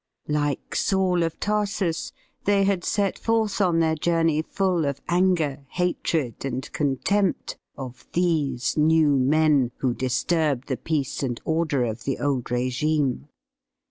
Like Saul of Tarsus, they had set forth on their journey full of anger, hatred, and con tempt of ^Hhese new men," who disturbed the peace and order of the old regime.